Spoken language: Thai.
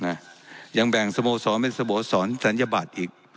น่ะยังแบ่งสโมสรไม่สโมสรสัญญาบัติอีก